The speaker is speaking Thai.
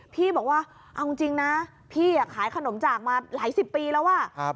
พี่บอกว่าเอาจริงนะพี่ขายขนมจากมาหลายสิบปีแล้วอ่ะ